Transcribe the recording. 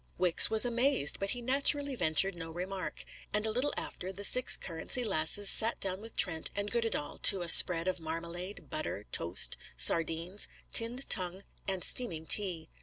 Wicks was amazed, but he naturally ventured no remark; and a little after, the six Currency Lasses sat down with Trent and Goddedaal to a spread of marmalade, butter, toast, sardines, tinned tongue, and steaming tea.